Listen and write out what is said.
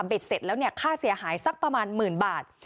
เบ็ดเสร็จแล้วค่าเสียหายสักประมาณหมื่นบาท